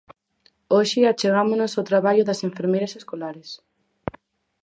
Hoxe achegámonos ao traballo das enfermeiras escolares.